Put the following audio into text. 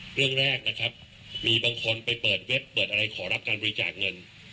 เรื่องแรกนะครับมีบางคนไปเปิดเว็บเปิดอะไรขอรับการบริจาคเงิน